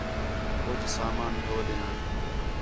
کُج سامان دھوندین